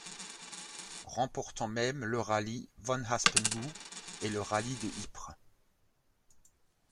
Remportant même le Rally van Haspengouw et le rally de Ypres.